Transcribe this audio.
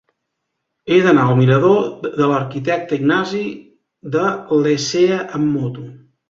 He d'anar al mirador de l'Arquitecte Ignasi de Lecea amb moto.